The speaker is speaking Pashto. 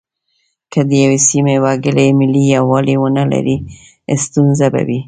که د یوې سیمې وګړي ملي یووالی ونه لري ستونزه به وي.